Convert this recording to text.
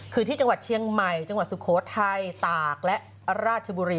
คือที่จังหวัดเชียงใหม่จังหวัดสุโขทัยตากและราชบุรี